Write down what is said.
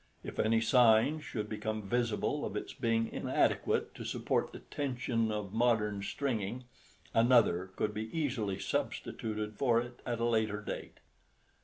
If any signs should become visible of its being inadequate to support the tension of modern stringing, another could be easily substituted for it at a later date.